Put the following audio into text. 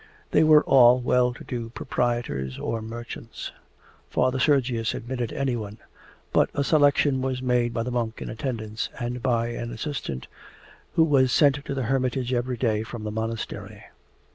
They were all well to do proprietors or merchants. Father Sergius admitted anyone, but a selection was made by the monk in attendance and by an assistant who was sent to the hermitage every day from the monastery.